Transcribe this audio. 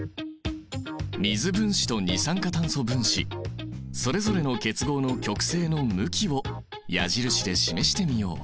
水分子と二酸化炭素分子それぞれの結合の極性の向きを矢印で示してみよう。